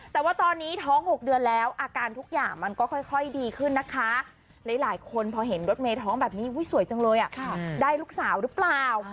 แต่ว่าตอนนี้ท้อง๖เดือนแล้วอาการทุกอย่างมันก็ค่อยดีขึ้นนะคะหลายคนพอเห็นรถเมย์ท้องแบบนี้สวยจังเลยได้ลูกสาวหรือเปล่า